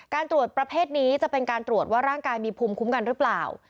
การตรวจประเภทนี้จะเป็นการตรวจว่าร่างกายมีภูมิคุ้มกันหรือเปล่า